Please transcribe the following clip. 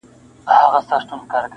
پوهېده په ښو او بدو عاقلان سوه,